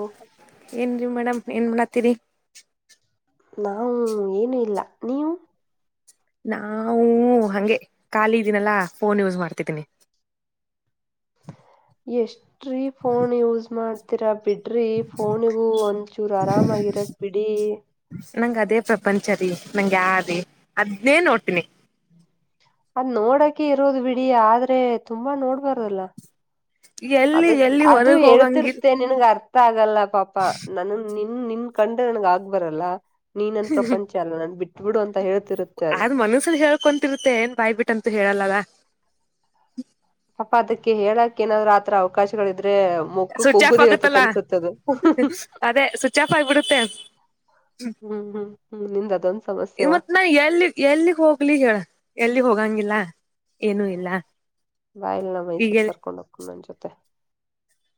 ಓ ಏನ್ ರೀ ಮೇಡಮ್ ಏನ್ ಮಾಡಾತೀರಿ ನಾವು ಏನೂ ಇಲ್ಲಾ ನೀವು ನಾವು ಹಂಗೆ ಕಾಲಿ ಇದ್ದಿನಲ್ಲಾ ಫೋನ್ ಯೂಸ್ ಮಾಡ್ತಿದ್ದೀನಿ. ಎಷ್ಟ್ರೀ ಫೋನ್ ಯೂಸ್ ಮಾಡಿ ಡ್ತೀರ ಬಿಡ್ರಿ ಫೋನಿಗೂ ಒಂದ್ಚೂರು ಆರಾಮಾಗಿರಕ್ ಬಿಡಿ. ನಂಗ್ ಅದೇ ಪ್ರಪಂಚ ರೀ ನಂಗ ಯಾ ರೀ ಅದ್ನೇ ನೋಡ್ತೀನಿ. ಅದ್ ನೋಡಕೆ ಇರೋದು ಬಿಡಿ ಆದ್ರೆ ತುಂಬಾ ನೋಡ್ಬಾರ್ದಲ್ಲ. ಎಲ್ಲಿ ಅದಕ್ ಎಲ್ಲಿ ಅದು ಹೊರಗ್ ಹೋಗಂಗಿ ಹೇಳ್ತಿರ್ತ್ತೇ ನಿ ನ್ಗ್ ಅರ್ಥ ಆಗಲ್ಲ ಪಾಪ ನನನ್ ನಿನ್ ನಿನ್ ಕಂಡ್ರೆ ನನ್ಗ್ ಆಗ್ಬರಲ್ಲ. ನೀನನ್ ಪ್ರಪಂಚ ಅಲ್ಲ ನನ್ ಬಿಟ್ಟು ಬಿಡು ಅಂತ ಹೇಳ್ ಆದ್ ಮನಸಲ್ಲಿ ಹೇಳ್ಕೊಂತಿರುತ್ತೆ ಏನ್ ಬಾಯ್ಬಿಟ್ಟಂತೂ ಹೇಳಲ್ಲಾಲ. ಪಾಪಾ ಅದಕ್ಕೆ ಹೇಳಕ್ ಏನಾದ್ರು ಆತರ ಅವಕಾಶಗಳಿದ್ರೆ ಮೊಕ್ಕಕ್ ಸ್ವಿಚ್ ಆಫ್ ಉಗ್ದು ಹೇಳತ್ ಆಗತ್ತಲ್ಲ ಅನ್ಸತ್ತದು. ಅದೇ ಸ್ವಿಚ್ ಆಫ್ ಆಗ್ಬಿಡುತ್ತೆ ಹ್ಮ್ ಹ್ಮ್ ಹ್ಮ್ ನಿಂದ್ ಅದೊಂದ್ ಸಮಸ್ಯೆವಾ. ಮತ್ ನಾ ಎಲ್ಲಿ ಎಲ್ಲಿಗ್ ಹೋಗ್ಲಿ ಹೇಳ ಎಲ್ಲಿಗ್ ಹೋಗಂಗಿಲ್ಲ ಏನೂ ಇಲ್ಲ. ಬಾ ಇಲ್ ನ ಈಗ ಮೈಸೂರ್ ಕರ್ಕೊಂಡ್ ಹೋಕ್ತಿನ್ ನನ್ ಜೊತೆ.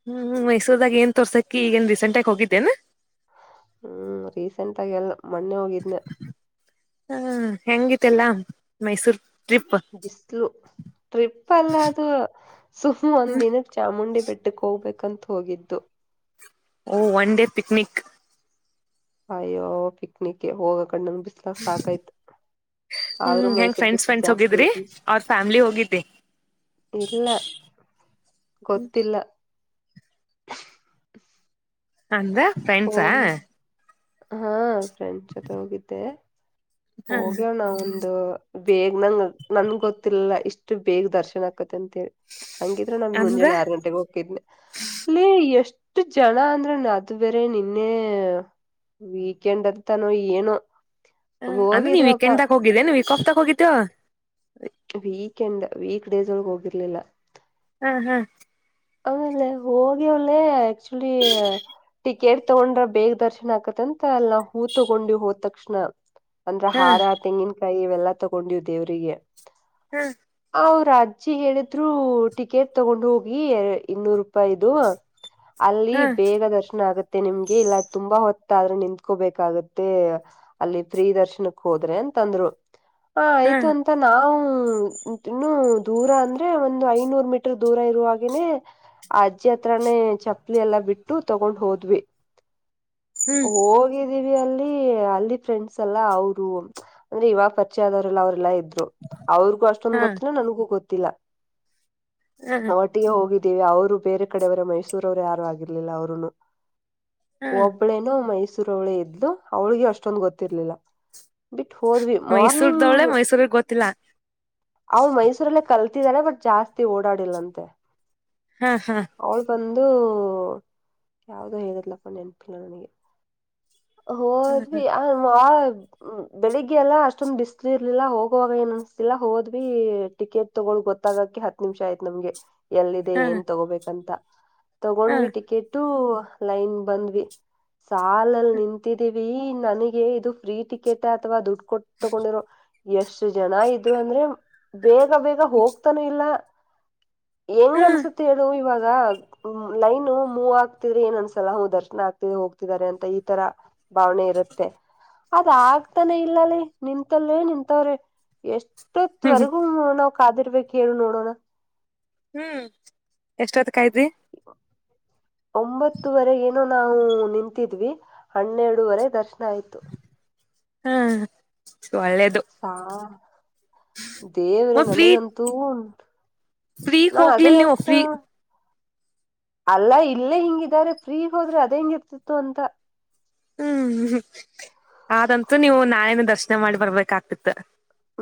ಹ್ಮ್ ಮೈಸೂರ್ದಾಗ ಏನ್ ತೋರ್ಸಕಿ ಈಗ ಏನ್ ರೀಸೆಂಟಾಗ್ ಹೋಗಿದ್ದೇನು? ಹ್ಮ್ ರೀಸೆಂಟ್ ಆಗ ಅಲ್ಲ ಮೊನ್ನೆ ಹೋಗಿದ್ನೆ. ಹಾ ಹೆಂಗಿತೆಲ್ಲಾ ಮೈಸೂರ್ ಟ್ರಿಪ್? ಬಿಸ್ಲು ಟ್ರಿಪ್ ಅಲ್ಲ ಅದು ಸುಮ್ ಹ್ಮ್ ಒಂದ್ ದಿನಕ್ ಚಾಮುಂಡಿ ಬೆಟ್ಟ ಡ್ಕ್ ಹೋಗ್ಬೇಕಂತ್ ಹೋಗಿದ್ದು. ಓ ಒನ್ ಡೇ ಪಿಕ್ನಿಕ್. ಅಯ್ಯೋ ಪಿಕ್ನಿಕ್ಗೆ ಹೋಗ ಕಣ್ಣಂದ್ ಸಾಕಾಯ್ತು ಆದ್ರೂ ಹ್ಮ್ ಹೆಂಗ್ ಮೈಸೂರು ಫ್ರೆಂಡ್ಸ್ ಬಿಸ್ಲು ಫ್ರೆಂಡ್ಸ್ ಜಾಸ್ತಿ ಹೋಗಿದ್ರಿ ಐತಿ. ಅವ್ರ ಫ್ಯಾಮಿಲಿ ಹೋಗಿದ್ದಿ ಇಲ್ಲ ಗೊತ್ತಿಲ್ಲ. ಅಂದ್ರ ಓ ಫ್ರೆಂಡ್ಸಾ? ಹಾ ಫ್ರೆಂಡ್ಸ್ ಜೊತೆ ಹೋಗಿದ್ದೆ. ಹ ಹೋಗ್ಯಣ ಒಂದು ಬೇಗ ನಂಗಾ ನನ್ಗು ಗೊತ್ತಿರ್ಲ್ಲಲ್ಲ ಇಷ್ಟು ಬೇಗ ದರ್ಶನ್ ಆಕತ್ತ ಅಂತೇಳಿ. ಹಂಗಿದ್ರೆ ನಾನ್ ಅಂದ್ರ ಮುಂಜಾನೆ ಆರು ಗಂಟೆಗೋತ್ದ್ನೆ ಲೇ ಎಷ್ಟು ಜನ ಅಂದ್ರೆನ ಅದು ಬೇರೆ ನಿನ್ನೆ ವೀಕೆಂಡ್ ಅಂತಾನೋ ಏನೋ ಹ ಅಂದ್ರೆ ನೀ ಹೋಗಿದ್ವಪ್ಪಾ ವೀಕೆಂಡ್ದಾಗ್ ಹೋಗಿದ್ದೇನ್ ವೀಕ್ ಆಫ್ ತೋಗೋಗಿದಾದೋ? ವೀಕೆಂಡ್ ವೀಕ್ ಡೇಸ್ ಒಳಗ್ ಹೋಗಿರ್ಲಿಲ್ಲ. ಹ್ಮ್ ಹ್ಮ್ ಆಮೇಲೆ ಹೋಗಿ ಒಳ್ಳೆ ಆಕ್ಚುಲಿ ಟಿಕೆಟ್ ತಗೊಂಡ್ರ ಬೇಗ ದರ್ಶನ್ ಆಕತ್ತಂತ ಅಲ್ಲಾ ಹೂ ತಗೊಂಡಿ ಹೋದ್ ತಕ್ಷಣ. ಅಂದ್ರೆ ಹ ಹಾರ ತೆಂಗಿನಕಾಯಿ ಇವೆಲ್ಲಾ ತಗೊಂಡ್ವಿ ದೇವ್ರಿಗೆ. ಹಾ ಅವ್ರು ಅಜ್ಜಿ ಹೇಳಿದ್ರು ಟಿಕೆಟ್ ತಗೊಂಡ್ ಹೋಗಿ ಇನ್ನೂರು ರೂಪಾಯಿದು. ಅಲ್ಲಿ ಬೇಗ ದರ್ಶನ ಆಗುತ್ತೆ. ನಿಮ್ಗೆ ಇಲ್ಲ ತುಂಬಾ ಹೊತ್ತಾದ್ರೆ ನಿಂತ್ಕೋಬೇಕಾಗತ್ತೆ. ಅಲ್ಲಿ ಪ್ರಿ ದರ್ಶನಕ್ ಹೋದ್ರೆ ಅಂತಂತಂದ್ರು ಆ ಹ ಹ ಆಯ್ತು ಅಂತ ಅಂತ ನಾವು ಇನ್ನು ದೂರ ಅಂದ್ರೆ ಒಂದು ಐನೂರು ಮೀಟರ್ ದೂರ ಇರುವಾಗ ಗನೆ ಆ ಅಜ್ಜಿ ಹತ್ರಾನೇ ಚಪ್ಪಲಿ ಎಲ್ಲಾ ಬಿಟ್ಟು ತಗೊಂಡ್ ಹೋದ್ವಿ. ಹ್ಮ್ ಹೋಗಿದ್ದೀವಿ ಅಲ್ಲಿ ಅಲ್ಲಿ ಫ್ರೆಂಡ್ಸ್ ಎಲ್ಲ ಅವ್ರು ಅಂದ್ರೆ ಇವಾಗ ಪರಿಚ್ಯ ಆದವರೆಲ್ಲ ಅವ್ರೆಲ್ಲ ಇದ್ರು ಅವ್ರಿಗೂ ಅಷ್ಟು ಹಾ ಗೊತ್ತಿಲ ನನಗೂ ಗೊತ್ತಿಲ್ಲ ಹ ಅವ ಟ್ಟಿಗೆ ಹೋಗಿದ್ದೀವಿ ಅವ್ರು ಬೇರೆ ಕಡೆವರೆ ಮೈಸೂರವರು ಯಾರು ಆಗಿರ್ಲಿಲ್ಲ ಅವ್ರುನು ಹ ಒಬ್ಬ ಇಬ್ಳೇನೋ ಮೈಸೂರವಳೆ ಇದ್ದ್ಲು ಅವಳಿಗೆ ಅಷ್ಟೊಂದ್ ಗೊತ್ತಿರ್ಲಿಲ್ಲ. ಬಿಟ್ಟು ಹೋದ್ವಿ ಮೈಸೂರ್ದವಳೆ ಮಾರ್ನಿಂಗ್ ಮೈಸೂರಿಗ್ ಗೊತ್ತಿಲ್ಲ ಅವ್ ಮೈಸೂರಲ್ಲೇ ಕಲ್ತಿದಿದ್ದಾರೆ ಬಟ್ ಜಾಸ್ತಿ ಓಡಾಡಿಲ್ಲಂತೆ ಹಾ ಹಾ ಅವ್ಳು ಬಂದು ಯಾವ್ದೋ ಹೇಳದಲಪ್ಪ ನೆನಪಿಲ್ಲ ನನಗೆ ಹ ಆ [inaudible] ್ಮ ಬೆಳಿಗ್ಗೆಯಲ್ಲಾ ಅಷ್ಟೊಂದು ಬಿಸ್ಲು ಇರ್ಲಿಲ್ಲ ಹೋಗವಾಗ ಏನ್ ಅನಿಸ್ತಿಲ್ಲ ಹೋದ್ವಿ ಟಿಕೆಟ್ ತಗೊಳ ಗೊತ್ತಾಗಕ ಹತ್ತು ನಿಮಿಷ ಆಯ್ತ ನಮಗೆ. ಎಲ್ಲಿದೆ ಹಾ ಏನ್ ತಗೋಬೇಕಂತ ಹಾ ಹಾ ತಗೊಂಡ್ವಿ ಟಿಕೆಟ್ ಥೋ ಲೈನ್ ಬಂದ್ವಿ ಸಾಲಲ್ಲಿ ನಿಂತಿದೀವಿ [inaudible] ನನಗೆ ಇದು ಫ್ರೀ ಟಿಕೆಟ್ ಅಥವಾ ದುಡ್ಡು ಕೊಟ್ಟ ತಗೊಂಡಿರೋ ಎಷ್ಟು ಜನ ಇದ್ರು ಅಂದ್ರೆ ಬೇಗ ಬೇಗ ಹೋಗ್ತಾನ ಇಲ್ಲ ಹೆಂಗ ಹ್ಮ್ ಅನ್ಸುತ್ತೆ ಹೇಳು ಇವಾಗ ಲೈನ್ ಮೂವ್ ಆಗ್ತಿದ್ರೆ ಏನಂದ್ಸಲ ದರ್ಶನ ಆಗ್ತ ಹೋಗ್ತಿದಿದ್ದಾರೆ ಅಂತ ಈ ತರ ಭಾವನೆ ಇರುತ್ತೆ ಅದ ಆಗ್ತಾನೆ ಇಲ್ಲಲ್ಲಿ ನಿಂತಲ್ ನಿಂತವ್ರಿ ಎಷ್ಟ ಇತ್ವರೆಗೂ ನಾವವು ಕಾದಿರ್ಬೇಕಕ್ ಹೇಳು ನೋಡೋಣ ಹ್ಮ್ ಎಷ್ಟೊತ್ ಕಾಯಿದ್ರಿ [unintelligible] ಒಂಬತ್ತುವರೆ ಏನೋ ನಾವು ನಿಂತಿದ್ವಿ ಹನ್ನೆರಡುವರೆ ದರ್ಶನ ಆಯ್ತು [unintelligible] ಹಾ ಒಳ್ಳೇದು ಹ ದೇವ್ರೇ ಮ ಫ್ರೀ ನನಗಂತೂ ಫ್ರೀಗ್ ನಾ ಅದೇ ಹೋಗ್ಲಿಲ್ ನೀವು ಯಸ್ನೆ ಫ್ರೀ ಅಲ್ಲ ಇಲ್ಲೇ ಹಿಂಗಿದಾರೆ ಫ್ರೀ ಹೋದ್ರೆ ಅದ ಹೆಂಗ ಇರ್ತಿತ್ತು ಅಂತ ಹ್ಮ್ ಆದಂತೂ ನೀವು ನಾಳೇನ ದರ್ಶನ ಮಾಡಿ ಬರ್ಬೇಕಾಗ್ತಿತ್ತ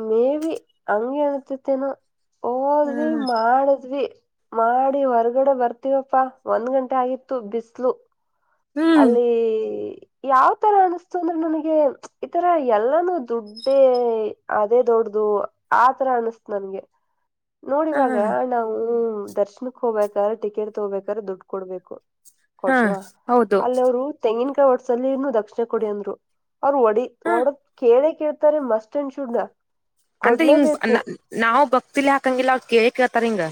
ಮೇ ಬಿ ಹಂಗಗೆನತತ್ತೇನು ಹೋದ್ವಿ ಮಾಡದ್ವಿ ಮಾಡಿ ಹೊರ್ಗಡೆ ಬರ್ತವಪ್ಪಾ ಒಂದ್ ಗಂಟೆ ಆಗಿತ್ತು ಬಿಸ್ಲು ಹ್ಮ್ ಅಲ್ಲಿ ಯಾವ ತರ ಅನಿಸ್ತು ಅಂದ್ರೆ ನನಗೆ ಈತರ ಎಲ್ಲಾನೂ ದುಡ್ಡೇ ಅದೇ ದೊಡ್ದ ಆತರ ಅನಸ್ತು ನನ್ಗೆ ಹಾ ನೋಡಿಇವಾಗ ನಾವು ದರ್ಶನಕ್ ಹೋಗಬೇಕಾದ್ರ ಟಿಕೆಟ್ ತಗೋಬೇಕ್ರೆ ದುಡ್ಡು ಕೊಡ್ಬೇಕು ಹಾ ಕೊಟ್ವಾ ಹೌದು ಅಲ್ಲಿ ಅವರು ತೆಂಗಿನಕಾಯಿ ಒಡ್ಸಲ್ಲಿ ಇ ದಕ್ಷಿಣ ಕೊಡಿ ಅಂದ್ರು ಅವ್ರು ಒಡಿ ಹ ಒಡದ ಕೇಳ ಕ ಾರೆ ಮಸ್ಟ್ ಅಂಡ್ ಶುಡ್ ಅಂತ ಹಿಂಗ್ ಕೊಡ್ಲೇಬೇಕು ನಾವು ಭಕ್ತಿಲಿ ಹಾಕಂಗಿಲ್ಲ ಅವ್ ಕೇೇಳಿ ಕೇಳ್ತಾರ ಹಿಂಗ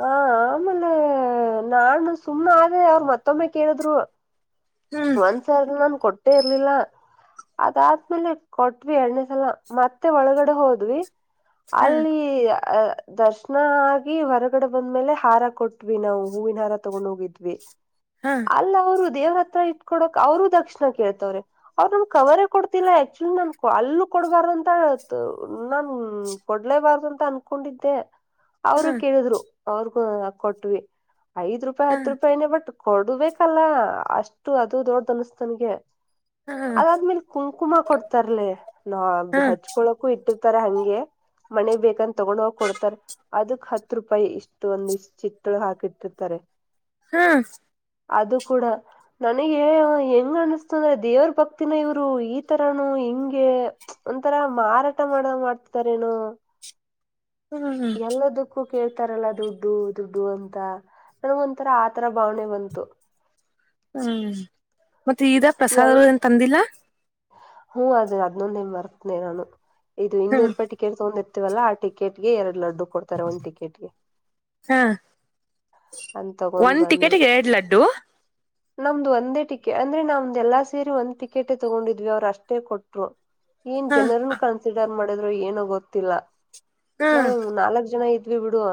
ಹ ಆಮೇಲೆ ನಾನು ಸುಮ್ಮ್ನೆ ಆದೆ ಅವರು ಮತ್ತೊಮ್ಮೆ ಕೇಳಿದ್ರು ಹ್ಮ್ ಒಂದ್ಸಾರಿ ನನ್ ಕೊಟ್ಟೆ ಇರ್ಲಿಲ್ಲ ಅದಾದ್ಮೇಲೆ ಕೊಟ್ವಿ ಎಣ್ಣೇಸಲ ಮತ್ತೆ ಒಳಗಡೆ ಹೋದ್ವಿ [unintelligible] ಹ್ಮ ಅಲ್ಲಿ ಅ ದರ್ಶನ ಆಗಿ ಹೊರಗಡೆ ಬಂದ್ಮೇಲೆ ಹಾರ ಕೊಟ್ವಿ ನಾವು ಹೂವಿನ ಹಾರ ತಗೊಂಡ್ ಹೋಗಿದ್ವಿ ಹಾ ಅಲ್ಲ ಅವ್ರು ದೇವ್ರ ಹತ್ರ ಇಟ್ಕೊಡಕ್ ಅವ್ರರು ದಕ್ಷಿಣ ಕೇಳ್ತವ್ರೆ ಅವ್ ನಮ ಕವರೇ ಕೊಡ್ತಿಲ್ಲ ಆಕ್ಚುಲಿ ನಾನ್ ಅಲ್ಲೂ ಕೊಡ್ಬಾರ್ದಂತ ನಾ ಕೊಡ್ಲೇಬಾರ್ದ ಅಂತ ಅನ್ಕೊಂಡಿದ್ದೆ [inaudible] ಅವರು ಕೇಳಿದ್ರು ಅವ್ರಗೂ ಕೊಟ್ವಿ ಐದ್ ರೂಪಾಯಿ ಹಾ ಹತ್ತು ರೂಪಾಯನೇ ಬಟ್ ಕೊಡುಬೇಕಲ್ಲ ಅಷ್ಟು ಅದು ದೊಡ್ಡ್ದ ಅನ್ಸ್ತನ್ಗೆ ಹಾ ಅದಾದ್ಮೇಲ್ ಕುಂಕುಮ ಕೊಡ್ತಾರ್ಲ ನಾ ಹಾ ಹೆಚ್ಕೊಳಕೂ ಇಟ್ಟಿರ್ತಾರ ಹಂಗೆ ಮನೆ ಬೇಕಂದ ತೊಗೊಂಡ್ ಹೋಗಿ ಕೊಡ್ತಾರ್ ಅದಕ್ ಹತ್ ರೂಪಾಯಿ ಇಷ್ಟು ಒಂದ ಇಷ್ಟ ಚಿಕ್ ಹಾಕಿಟ್ಟಿರ್ತಾರೆ ಹಾ ಅದು ಕೂಡಾ ನನಗೆ ಹೆಂಗ್ ಅನಸ್ತ ಅಂದ್ರೆ ದೇವ್ರ ಭಕ್ತಿನ ಇವರು ಈ ತರನು ಹಿಂಗೆ ಒಂಥರಾ ಮಾರಾಟ ಮಾಡ ಮಾಡ್ತತಾರೇನು ಹ್ಮ್ ಎಲ್ಲದಕ್ಕೂ ಅಕ್ಕೂ ಕೇಳ್ತಾರಲ್ಲ ದುಡ್ಡು ದುಡ್ಡು ಅಂತ ನಮಗ ಒಂಥರ ಆತರ ಭಾವನೆ ಬಂತು ಹ್ಮ್ ಮತ್ತೆ ಈಗ ಪ್ರಸಾದ ಏನು ತಂದಿಲ್ಲ ಹ್ಮ್ ಅದ ಹದ್ನೊಂದೇಮ್ ಬರ್ತನನೆ ನಾನು ಇದು ಇನ್ನೂರು ಹ್ಮ್ ರೂಪಾಯಿ ಟಿಕೆಟ್ ತಗೊಂಡಿರ್ತವಲ್ಲ ಆ ಟಿಕೆಟ್ಗೆ ಎರಡ್ ಲಡ್ಡು ಕೊಡ್ತಾರೆ ಒಂದು ಟಿಕೆಟ್ಗೆ ಹಾ..... ಅಂತ ತಗೊಂಡ್ ಒಂದು ಬಂದ್ವಿ ಟಿಕೆಟಿಗೆ ಎರಡು ಲಡ್ಡು ನಮ್ದು ಒಂದೇ ಟಿಕೆ ಅಂದ್ರೆ ನಮ್ದ ಎಲ್ಲಾ ಸೇರಿ ಒಂದ್ ಟಿಕೆಟೇ ತಗೊಂಡಿದ್ವಿ ಅವರು ಅಷ್ಟೇ ಕೊಟ್ರು ಏನ್ ಹ ಜನರನು ಕನ್ಸಿಡರ್ ಮಾಡಿದ್ರು ಏನು ಗೊತ್ತಿಲ್ಲ ಹಾ ನಾವು ನಾಲ್ಕ್ ಜನ ಇದ ವಿ ಬಿಡುವ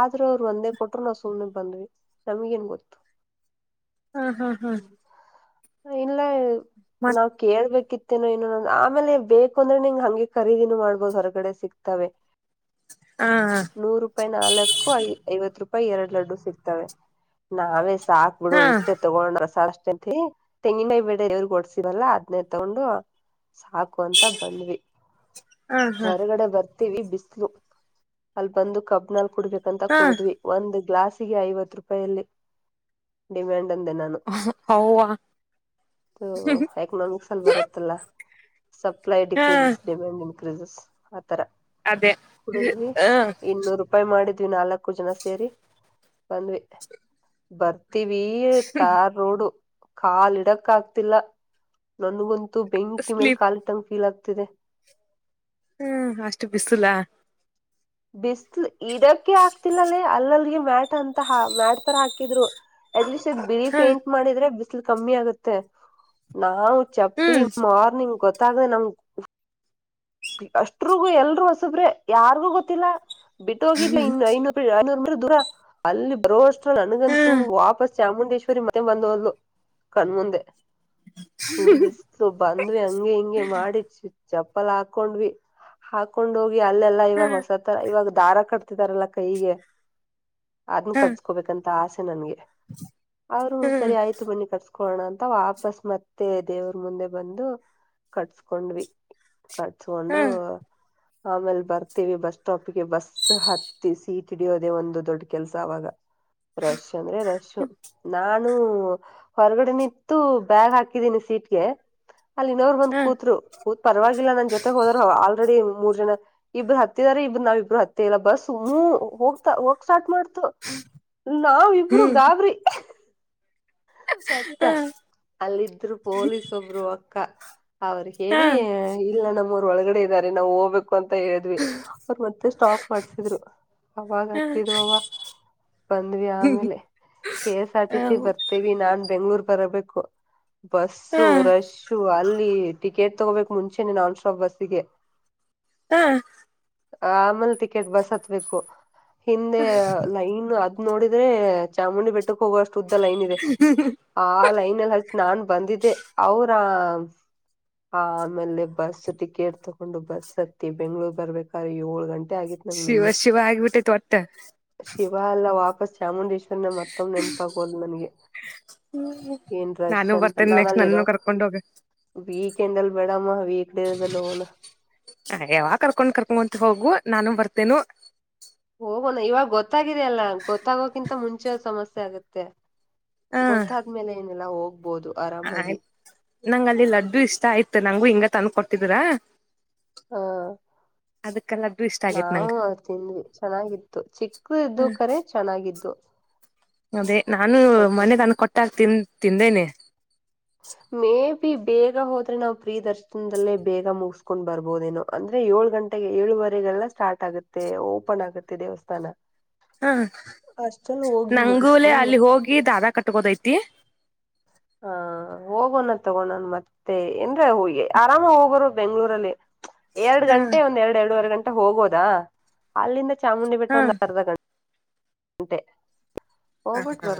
ಆದ್ರೂ ಅವರು ಒಂದೇ ಕೊಟ್ರು ನಾವು ಸುಮನೆ ಬಂದ್ವಿ ನಮಗೆ ಎನ್ ಗೊತ್ತು ಹಾ ಹಾ ಹಾ ಇಲ್ಲ ಮತ್ ನಾ ಕೇಳ್ಬೇಕಿತ್ತೇನೋ ಏನ ಆಮೇಲೆ ಬೇಕು ಅಂದ್ರೆ ನಿಂಗೆ ಹಂಗೆ ಖರೀದಿನು ಮಾಡಬಹೋದು ಹೊರಗಡೆ ಸಿಗ್ತವೆ ಹಾ ನೂರು ರೂಪಾಯಿ ನಾಲ್ಕು ಐ ಐವತ್ತು ರೂಪಾಯಿ ಎರಡ್ ಲಡ್ಡು ಸಿಗ್ತವೆ ನಾವೇ ಸಾಕು ಗಳು ಹಾ ಇಷ್ಟೆ ತಗೊಂಡ್ ರಸ ಅಷ್ಟ ತೆಂಗಿನಾಯಿ ಬಡ ದೇವ್ರರು ಗ ಹೋಡ್ಸಿದಲ್ಲಾ ಅದನ್ನು ತಗೊಂಡು ಸಾಕು ಅಂತ ಬಂದ್ವಿ ಹಾ ಹಾ ಹೊರಗಡೆ ಬರ್ತ ವಿ ಬಿಸಲು ಅಲ್ಲಿ ಬಂದು ಕಬ್ನಲ್ ಕುಡ್ಬೇಕಂತ ಹಾ ಕುಡಿದ್ವಿ ಒಂದ ಗ್ಲಾಸಿಗೆ ಐವತ್ತು ರೂಪಾಯಲ್ಲಿ ಡಿಮ್ಯಾಂಡ್ ಅಂದೆ ನಾನು ಹೌ ಅವಾ ಎಕನಾಮಿಕ್ಸ್ ಅಲ್ಲಿ ಬರುತ್ತಲ್ಲ ಸಪ್ಲೈ ಹಾ ಡಿಕ್ರೀಸ್ ಡಿಮ್ಯಾಂಡ್ ಇನ್ಕ್ರೀ ಆ ಥರಾ ಅದೇ ಹ ಇನ್ನೂರು ಉಪಾಯ ಮಾಡಿದ್ವಿ ನಾಲ್ಕು ಜನ ಸೇರಿ ಬಂದ್ವಿ ಬರ್ತೀವಿ.. ಟಾರ್ ರೋಡು ಕಾಲ ಇಡಕ್ ಆಗ್ತಿಲ್ಲ ನನ್ಗಂತೂ ಬೆಂಕಿ ಮೇಲ್ ಸ್ಲೀಪ್ ಕಾಾಲಿಟ್ಟಂಗ ಫೀಲ್ ಆಗ್ತಿದೆ ಊ ಅಷ್ಟು ಬಿಸಲಾ ಬಿಸ್ಲು ಇಡಕ್ಕೆ ಆಕ್ತಿಲ್ಲಲ್ಲೇ ಅಲ್ಲಲ್ಗೆ ಮ್ಯಾಟ್ ಅಂತ ಮ್ಯಾಟ್ ತರ ಹಾಕಿದ್ರು ಅಟ್ಲೀಸ್ಟ್ ಇ ಬಿಳಿ ಹ ಪೇಂಟ್ ಮಾಡಿದ್ರೆ ಬಿಸಿಲು ಕಮ್ಮಿ ಆಗುತ್ತೆ ನಾ ಚಪ್ಲಿ ಹ್ಮ್ ಮಾರ್ನಿಂಗ್ ಗೊತ್ತಾಗದೆ ನಮ್ ಅಷ್ಟ್ರಗೂ ಎಲ್ರು ಹೋಸುಬ್ರೆ ಯಾರ್ಗೂ ಗೊತ್ತಿಲ್ಲಾ ಬಿಟ್ಟ ಹೋಗಿದ್ ಇನ್ನು ಮ ದೂರ ಅಲ್ಲಿ ಬರೋಷ್ಟ ನನಗಂತೂ ಹ್ಮ್ ವಾಪಸ್ ಚಾಮುಂಡೇಶ್ವರಿ ಮತ್ತ ಬಂದಲು ಕಣ್ಮುಂದೆ ಸುಡ್ ಬಿಸ್ ಬಂದ್ವಿ ಹಂಗೆ ಹಿಂಗೆ ಮಾಡಿ ಚಪ್ಪಲ್ ಹಾಕೊಂಡ್ವಿ ಹಾಕೊಂಡ್ ಹೋಗಿ ಅಲ್ಲೆಲ್ಲಾ ಇವಾಗ ಹ್ಮ್ ಹ್ಮ್ ಹೊಸ ತರ ಇವಾಗ ದಾರ ಕಟ್ತಿದಾರಲ್ಲ ಕೈಗೆ ಅದನ್ನ ಹ್ಮ್ ಕಟ್ಸ್ಕೋಬೇಕಂತ ಆಸೆ ನನ್ಗೆ ಅವರು ಸರಿ ಹ್ಮ್ ಆಯ್ತು ಬನ್ನಿ ಕಟ್ಸ್ಕೊ ಕೋಣ ಅಂತ ವಾಪಸ್ ಮತ್ತೆ ದೇವ್ರ ಮುಂದೆ ಬಂದು ಕಟ್ಸ್ಕೊಂಡ್ವಿ ಕಟ್ಸ್ಕೊಂಡು ಹ್ಮ್ ಹ್ಮ್ ಆಮೇಲೆ ಬರ್ತೀವಿ ಬಸ್ ಸ್ಟಾಪ್ಗೆ ಬಸ್ ಸ ಹತ್ತಿಸಿ ಸೀಟ್ ಹಿಡಿಯೋದೆೇ ಒಂದು ದೊಡ್ಡ ಕೆಲ್ಸ ಅವಾಗ ರಶ್ ಅಂದ್ರೆ ರಶ್ ನಾನು ಹೊರಗಡೆ ನಿತ್ತು ಬ್ಯಾಗ್ ಹಾಕಿದ್ದೀನಿ ಸೀಟ್ಗೆ ಅಲ್ಲಿ ಇನ್ನೋರುಬಂದ್ ಕೂತ್ರು ಕೂತ್ ಪರವಾಗಿಲ್ಲ ನನ್ ಜೊತೆ ಹೋದರು ಆಲ್ರೆಡಿ ಮೂರ್ ಜನ ಇಬ್ರು ಹತ್ತಿದಾರೆ ಇಬ್ರು ನಾವ ಇಬ್ರು ಹತ್ತಿ ಇಲ್ಲ ಬಸ್ ಮೂ ಹೋಗ್ತಾ ಹೋಗ್ ಸ್ಟಾರ್ಟ್ ಮಾಡ್ತು. ನಾವಿಬ್ರು ಹ್ಮ್ ಗಾಬರಿ. ಮತ್ತೆ ಅಲ್ಲಿದ್ರು ಪೊಲೀಸ್ ಒಬ್ರು ಅಕ್ಕ. ಅವ್ರರು ಹೇಳಿ ಹ್ಮ್ ಇಲ್ಲ ನಮ್ಮವರು ಒಳಗಡೆ ಇದ್ದಾರೆ ನಾವು ಹೋಗ್ಬೇಕು. ಅಂತ ಹೇಳ್ವಿ ಅವರು ಮತ್ತೆ ಸ್ಟಾಪ್ ಮಾಡ್ಸಿದ್ರು ಅವಾಗ ಹ್ಮ್ ಹ್ಮ್ ಹತ್ತಿದ್ ಅವ. ಬಂದ್ವಿ ಆಮೇಲೆ. K S R T C ಬರ್ತೇವಿ ನಾನ್ ಬೆಂಗ್ಳೂರ್ ಬರಬೇಕು ಬಸ್ಸು ಹ್ಮ್ ರಶ್. ಸು ಅಲ್ಲಿ ಟಿಕೆಟ್ ತಗೋಬೇಕು ಮುಂಚೆನೆ ನಾನ್ ಸ್ಟಾಪ್ ಬಸ್ಸಿಗೆ. ಹಾ ಆಮೇಲೆ ಟಿಕೆಟ್ ಬಸ್ ಹತ್ಬೇಕು ಹಿಂದೆ ಲೈನು ಅ. ನೋಡಿದ್ರೆ ಚಾಮುಂಡಿ ಬೆಟ್ಟಕ್ಕೆ ಹೋಗುವಷ್ಟು ಉದ್ದ ಲೈನ್ ಇದೆ. ಹ್ಮ ಹಾ. ಆ ಲೈನ್ಲ್ಲಿ ಹಚ್ಚ ನಾನ್ ಬಂದಿದ್ದೆ ಅವರ. ಹ ಆಮೇಲೆ ಬಸ್ ಟಿಕೆಟ್ ತಕೊಂಡು ಬಸ್ ಹತ್ತಿ ಬೆಂಗ್ಳೂರ್ ಬರ್ಬೇಕಾದ್ರ ಏಳು ಗಂಟೆ. ಆಗಿತ್ ನಮಗೆ ಶಿವ ನಿನ್ನೆ ಶಿವ ಆಗ್ಬಿಟ್ಟೈತ್ ಒಟ್ಟ ಶಿವ ಎಲ್ಲ ವಾಪಸ್ ಚಾಮುಂಡೇಶ್ವರ್ ನ್ನ ಮತ್ತೊಮ್ಮ್ ನೆನಪಾಗೋಲ್ ನನಗೆ. ನಾನು ಬರ್ತೇನಿ ನೆಕ್ಸ್ಟ್ ನನ್ನೂ ಕರ್ಕೊಂಡ ಹೋಗ. ವೀಕ ಎಂಡಲ್ಲಿ ಮೆಂಡಮ್ ವೀಕಡೇರೆದಲೋನ್ ಹ ಯಾವ ಕರ್ಕೊಂಡ್ ಕರ್ಕೊಂಡ್ಂತ ಹೋಗು ನಾನು ಬರ್ತೇನು. ಹೋಗೋಣ ಇವಾಗ ಗೊತ್ತಾಗಿದ ಅಲ್ಲ ಗೊತ್ತಾಗೋಕಿಂತ ಮುಂಚೆ ಸಮಸ್ಯೆ ಆಗತ್ತೆ. ಹ ಗೊತ್ತಾದ್ಮೇಲೆ ಏನೆಲ್ಲಾ ಹೋಗ್ಬೋದು. ಆರಾಮಾಗಿ ಆಯ್ತ್ ನಂಗ ಅಲ್ಲಿ ಲಡ್ಡು ಇಷ್ಟ ಆಯ್ತ ನಂಗು ಹಿಂಗ ತಂದ ಕೊಟ್ಟಿದೀರ. ಹಾ ಅದಕ್ಕೆ ಲಡ್ಡು ಇಷ್ಟ. ಆಗೇತ್ ನಂಗ ನಾವು ತಿಂದ್ವಿ ಚೆನ್ನಾಗಿತ್ತು ಚಿಕ್ಕವ್ ಹ ಇದ್ದು ಕರೆ. ಚೆನ್ನಾಗಿತ್ತು. ಅದೇ ನಾನು ಮೊನ್ನೇ ತಂದ ಕೊಟ್ಟಾಕ ತಿನ್ ತಿಂದೇನೆ ಮೇಬಿ ಬೇಗ ಹೋದ್ರೆ ನಾವು ಪ್ರೀ ದರ್ಶನದಲ್ಲೇ ಬೇಗ ಮುಗಸ್ಕೊಂಡ್ ಬರ್ಬೋದೇನೋ. ಅಂದ್ರೆ ಏಳು ಗಂಟೆಗೆ ಏಳುವರೆಗೆಲ್ಲ ಸ್ಟಾರ್ಟ್ ಆಗುತ್ತೆ ಓಪನ್ ಆಗುತ್ತೆ ದೇವಸ್ಥಾನ. ಹಾ ಅಷ್ಟಲ್ಲಿ ಹೋಗಿ ನಂಗೂಲೆ ಮುಗಿಸಕೊಂಡ್ ಅಲ್ಲಿ ಹೋಗಿ ದಾದಾ ಕಟ್ಕೋದಐತಿ. ಹಾ ಹೋಗೋಣ ತಗೋಣನ್ ಮತ್ತೆ ಏನ್ರ ಹ ಆರಾಮ ಹೋಗೋರು ಬೆಂಗ್ಳೂರಲ್ಲಿ. ಎರಡ್ ಹ ಗಂಟೆ ಒಂದ್ ಎರಡು ಎರಡುವರೆ ಗಂಟೆ ಹೋಗೋದಾ ಅಲ್ಲಿಂದ ಚಾಮುಂಡಿ ಬೆಟ್ಟ ಹ ಒಂದು ಅರ್ಧ ಗಂಟೆ. ಅಂತೆ ಹ ಹ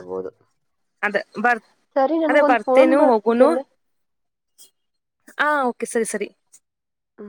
ಅದ ಬರ್ ಸರಿ ಅದ ನನ್ಗೊಂದ್ ಫೋನ್ ಬರ್ತೆನು ಹೋಗುನು. ಬರ್ತಿದ್ದಲ್ಲೇ ಹ ಓಕೆ ಸರಿ ಸರಿ. ಹಾಂ